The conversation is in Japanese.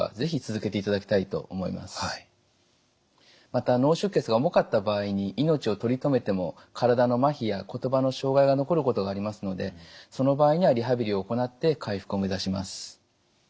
また脳出血が重かった場合に命を取り留めても体のまひや言葉の障害が残ることがありますのでその場合にはリハビリを行って回復をめざします。